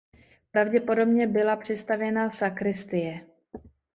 Pravděpodobně byla přistavěna sakristie.